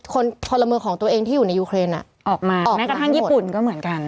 คนพลเมืองของตัวเองที่อยู่ในยูเครนอ่ะออกมาออกแม้กระทั่งญี่ปุ่นก็เหมือนกัน